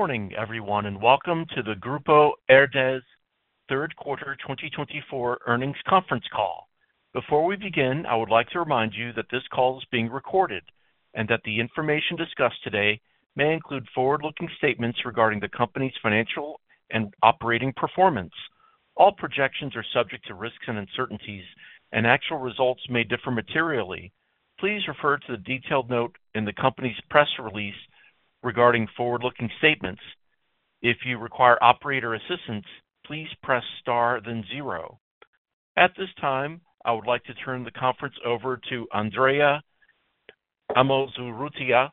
Good morning, everyone, and welcome to the Grupo Herdez Third Quarter 2024 earnings Conference Call. Before we begin, I would like to remind you that this call is being recorded, and that the information discussed today may include forward-looking statements regarding the company's financial and operating performance. All projections are subject to risks and uncertainties, and actual results may differ materially. Please refer to the detailed note in the company's press release regarding forward-looking statements. If you require operator assistance, please press star then zero. At this time, I would like to turn the conference over to Andrea Amozurrutia,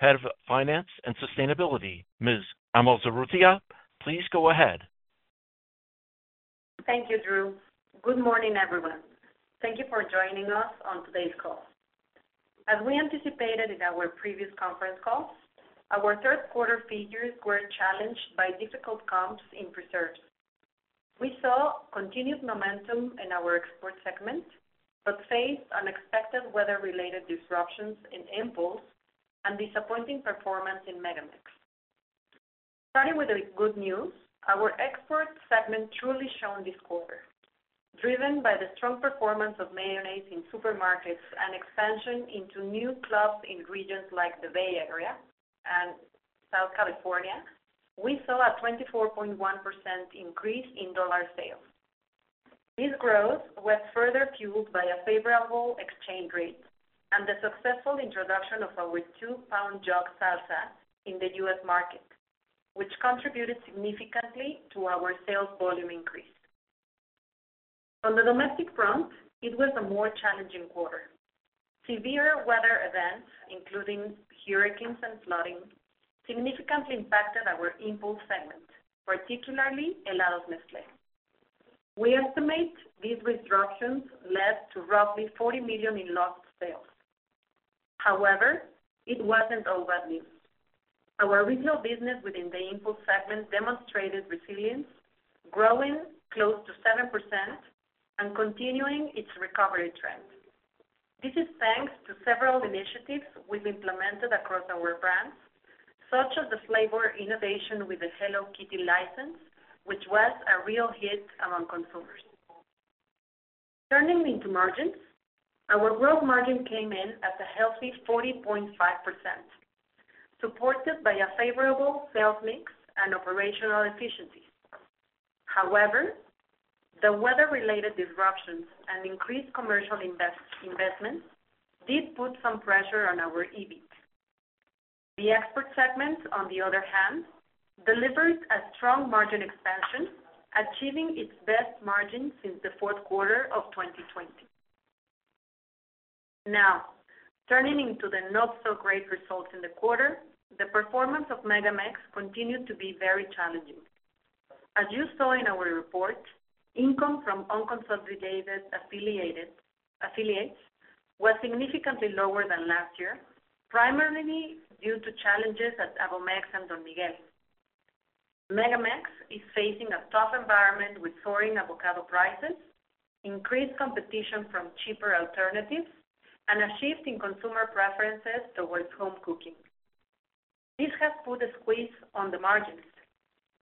Head of Finance and Sustainability. Ms. Amozurrutia, please go ahead. Thank you, Drew. Good morning, everyone. Thank you for joining us on today's call. As we anticipated in our previous conference calls, our third quarter figures were challenged by difficult comps in preserves. We saw continued momentum in our export segment, but faced unexpected weather-related disruptions in impulse and disappointing performance in MegaMex. Starting with the good news, our export segment truly shone this quarter. Driven by the strong performance of mayonnaise in supermarkets and expansion into new clubs in regions like the Bay Area and Southern California, we saw a 24.1% increase in dollar sales. This growth was further fueled by a favorable exchange rate and the successful introduction of our two-pound jug salsa in the US market, which contributed significantly to our sales volume increase. On the domestic front, it was a more challenging quarter. Severe weather events, including hurricanes and flooding, significantly impacted our impulse segment, particularly Helados Nestlé. We estimate these disruptions led to roughly 40 million MXN in lost sales. However, it wasn't all bad news. Our retail business within the impulse segment demonstrated resilience, growing close to 7% and continuing its recovery trend. This is thanks to several initiatives we've implemented across our brands, such as the flavor innovation with the Hello Kitty license, which was a real hit among consumers. Turning to margins, our gross margin came in at a healthy 40.5%, supported by a favorable sales mix and operational efficiency. However, the weather-related disruptions and increased commercial investments did put some pressure on our EBIT. The export segment, on the other hand, delivered a strong margin expansion, achieving its best margin since the fourth quarter of 2020. Now, turning into the not-so-great results in the quarter, the performance of MegaMex continued to be very challenging. As you saw in our report, income from unconsolidated affiliates was significantly lower than last year, primarily due to challenges at Avomex and Don Miguel. MegaMex is facing a tough environment with soaring avocado prices, increased competition from cheaper alternatives, and a shift in consumer preferences towards home cooking. This has put a squeeze on the margins.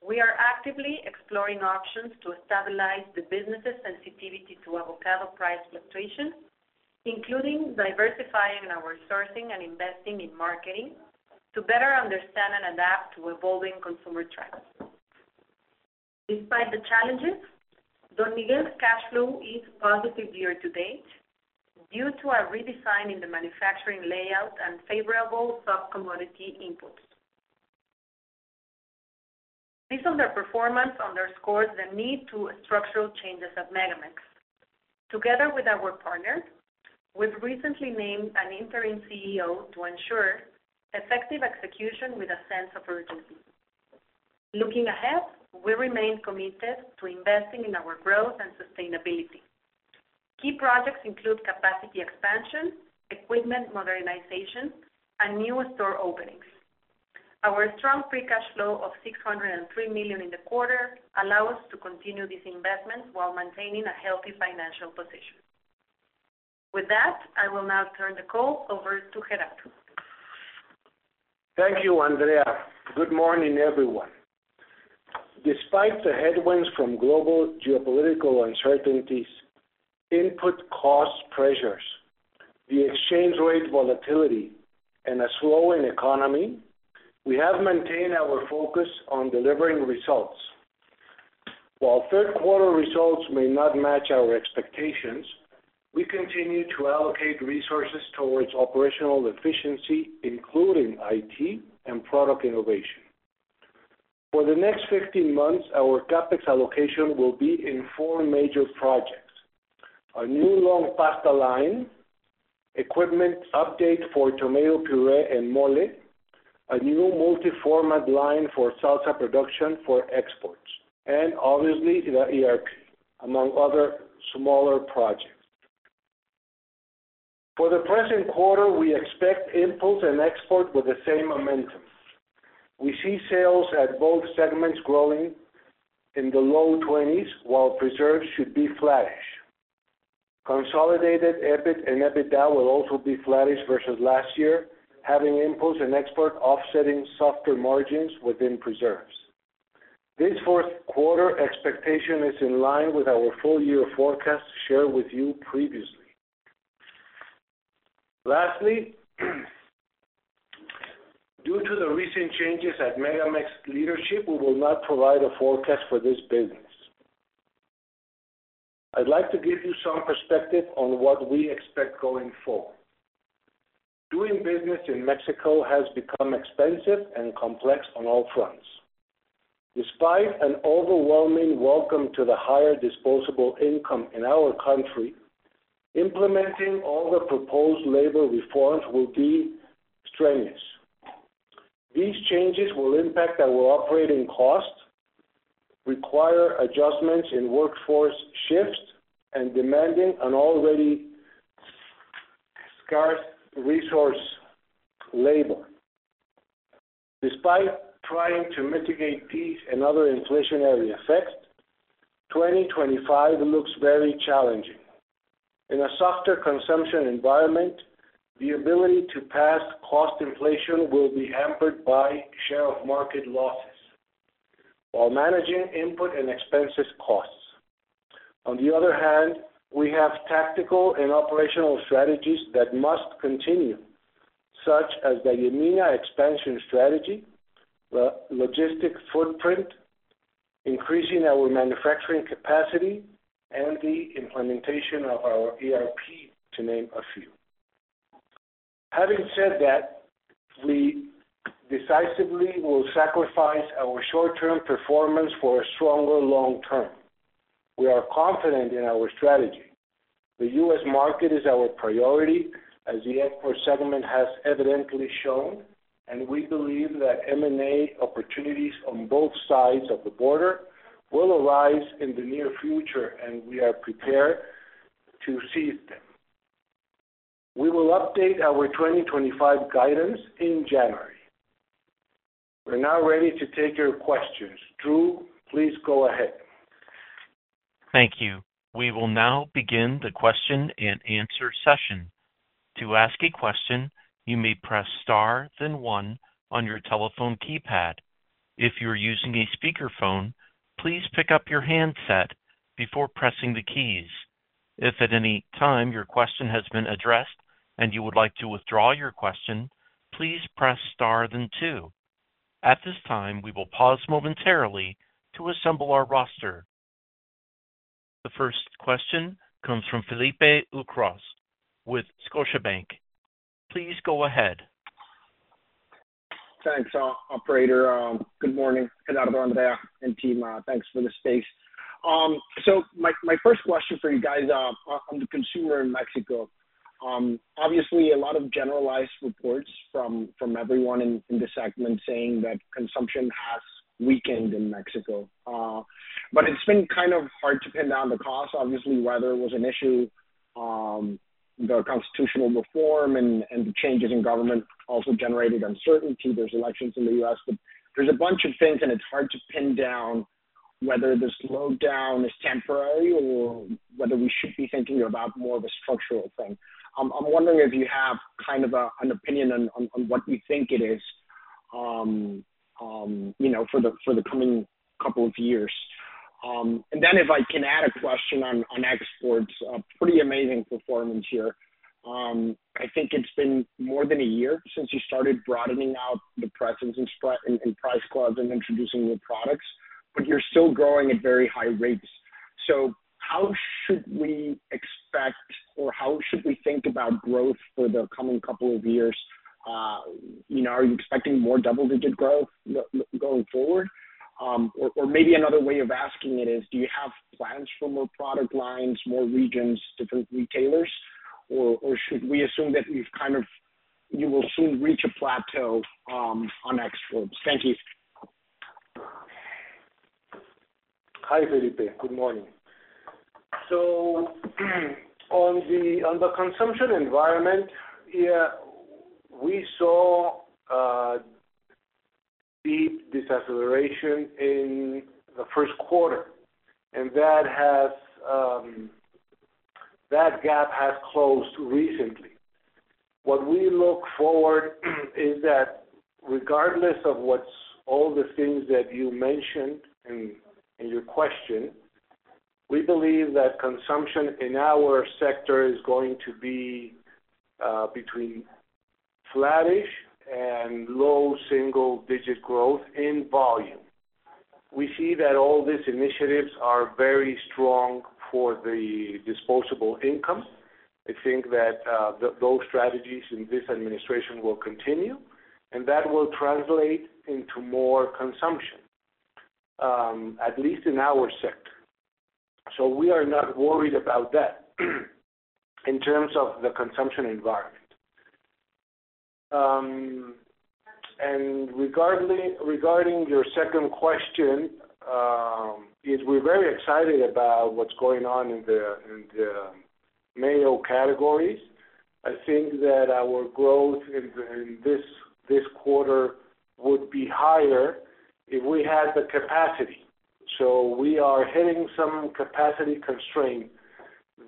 We are actively exploring options to stabilize the business's sensitivity to avocado price fluctuations, including diversifying our sourcing and investing in marketing, to better understand and adapt to evolving consumer trends. Despite the challenges, Don Miguel's cash flow is positive year to date, due to a redesign in the manufacturing layout and favorable sub-commodity inputs. Based on their performance underscores the need for structural changes at MegaMex. Together with our partners, we've recently named an interim CEO to ensure effective execution with a sense of urgency. Looking ahead, we remain committed to investing in our growth and sustainability. Key projects include capacity expansion, equipment modernization, and new store openings. Our strong free cash flow of 603 million in the quarter allow us to continue these investments while maintaining a healthy financial position. With that, I will now turn the call over to Gerardo. Thank you, Andrea. Good morning, everyone. Despite the headwinds from global geopolitical uncertainties, input cost pressures, the exchange rate volatility, and a slowing economy, we have maintained our focus on delivering results. While third quarter results may not match our expectations, we continue to allocate resources towards operational efficiency, including IT and product innovation. For the next fifteen months, our CapEx allocation will be in four major projects: a new long pasta line, equipment update for tomato puree and mole, a new multi-format line for salsa production for exports, and obviously, the ERP, among other smaller projects. For the present quarter, we expect Impulse and Export with the same momentum. We see sales at both segments growing in the low 20s, while Preserves should be flattish. Consolidated EBIT and EBITDA will also be flattish versus last year, having Impulse and Export offsetting softer margins within Preserves. This fourth quarter expectation is in line with our full year forecast shared with you previously. Lastly, due to the recent changes at MegaMex leadership, we will not provide a forecast for this business. I'd like to give you some perspective on what we expect going forward. Doing business in Mexico has become expensive and complex on all fronts. Despite an overwhelming welcome to the higher disposable income in our country, implementing all the proposed labor reforms will be strenuous. These changes will impact our operating costs, require adjustments in workforce shifts, and demanding an already scarce resource labor. Despite trying to mitigate these and other inflationary effects, 2025 looks very challenging. In a softer consumption environment, the ability to pass cost inflation will be hampered by share of market losses, while managing input and expenses costs. On the other hand, we have tactical and operational strategies that must continue, such as the tuna expansion strategy, logistics footprint, increasing our manufacturing capacity, and the implementation of our ERP, to name a few. Having said that, we decisively will sacrifice our short-term performance for a stronger long-term. We are confident in our strategy. The U.S. market is our priority, as the export segment has evidently shown, and we believe that M&A opportunities on both sides of the border will arise in the near future, and we are prepared to seize them. We will update our 2025 guidance in January. We're now ready to take your questions. Drew, please go ahead. Thank you. We will now begin the question and answer session. To ask a question, you may press star, then one on your telephone keypad. If you're using a speakerphone, please pick up your handset before pressing the keys. If at any time your question has been addressed and you would like to withdraw your question, please press star, then two. At this time, we will pause momentarily to assemble our roster. The first question comes from Felipe Ucros with Scotiabank. Please go ahead. Thanks, operator. Good morning, Gerardo, Andrea, and team. Thanks for the space. So my first question for you guys on the consumer in Mexico. Obviously a lot of generalized reports from everyone in the segment saying that consumption has weakened in Mexico. But it's been kind of hard to pin down the cause. Obviously, weather was an issue, the constitutional reform and the changes in government also generated uncertainty. There's elections in the U.S., but there's a bunch of things, and it's hard to pin down whether the slowdown is temporary or whether we should be thinking about more of a structural thing. I'm wondering if you have kind of an opinion on what you think it is, you know, for the coming couple of years. And then if I can add a question on exports, a pretty amazing performance here. I think it's been more than a year since you started broadening out the presence in Sprouts and Price Club and introducing new products, but you're still growing at very high rates. So how should we expect, or how should we think about growth for the coming couple of years? You know, are you expecting more double-digit growth going forward? Or maybe another way of asking it is, do you have plans for more product lines, more regions, different retailers, or should we assume that you've kind of, you will soon reach a plateau on exports? Thank you. Hi, Felipe. Good morning. So on the consumption environment, yeah, we saw deep deceleration in the first quarter, and that gap has closed recently. What we look forward is that regardless of all the things that you mentioned in your question, we believe that consumption in our sector is going to be between flattish and low single-digit growth in volume. We see that all these initiatives are very strong for the disposable income. I think that those strategies in this administration will continue, and that will translate into more consumption, at least in our sector. So we are not worried about that, in terms of the consumption environment. And regarding your second question, we are very excited about what's going on in the mayo categories. I think that our growth in this quarter would be higher if we had the capacity. So we are hitting some capacity constraints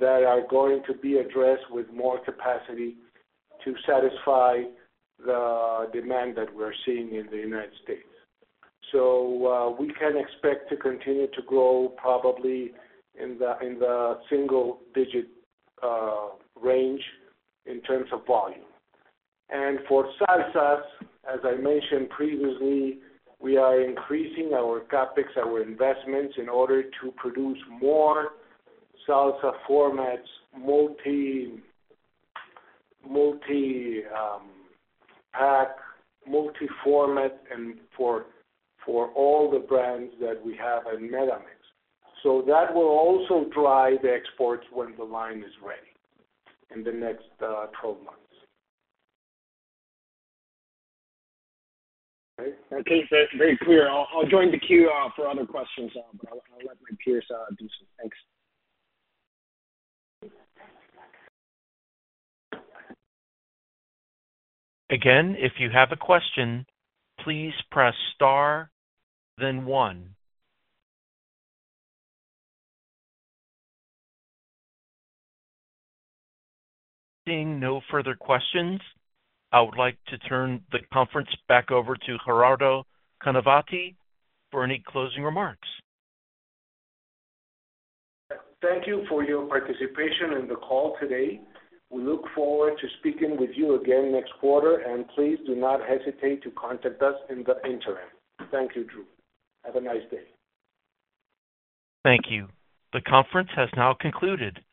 that are going to be addressed with more capacity to satisfy the demand that we're seeing in the United States. So we can expect to continue to grow probably in the single digit range in terms of volume. And for salsas, as I mentioned previously, we are increasing our CapEx, our investments, in order to produce more salsa formats, multi-pack, multi-format, and for all the brands that we have in MegaMex. So that will also drive the exports when the line is ready in the next twelve months. Okay, that's very clear. I'll join the queue for other questions, but I'll let my peers do some. Thanks. Again, if you have a question, please press star then one. Seeing no further questions, I would like to turn the conference back over to Gerardo Canavati for any closing remarks. Thank you for your participation in the call today. We look forward to speaking with you again next quarter, and please do not hesitate to contact us in the interim. Thank you, Drew. Have a nice day. Thank you. The conference has now concluded.